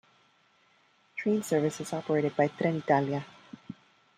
Train service is operated by Trenitalia.